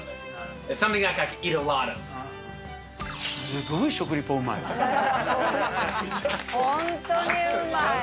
すごい食リポうまい。